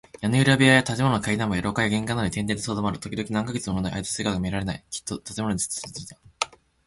屋根裏部屋や建物の階段部や廊下や玄関などに転々としてとどまる。ときどき、何カ月ものあいだ姿が見られない。きっと別な家々へ移っていったためなのだ。